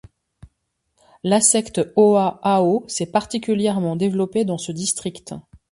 La secte Hòa Hảo s'est particulièrement développée dans ce district.